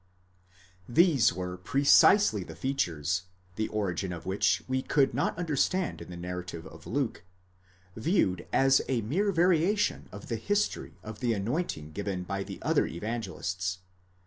These were precisely the features, the origin of which we could not understand in the narrative of Luke, viewed as a mere variation of the history of the anointing given by the other Evan gelists.